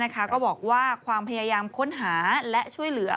ก็บอกว่าความพยายามค้นหาและช่วยเหลือ